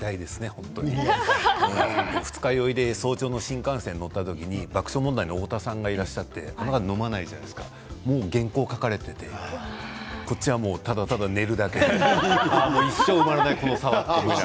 本当に、二日酔いで早朝の新幹線乗った時、爆笑問題の太田さんがいらっしゃって、あの方飲まないじゃないですかもう原稿を書かれていてこっちは、ただただ寝るだけでもう一生埋まらないこの差って。